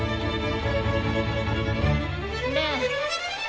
ねえ！